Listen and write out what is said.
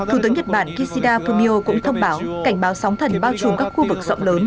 thủ tướng nhật bản kishida fumio cũng thông báo cảnh báo sóng thần bao trùm các khu vực rộng lớn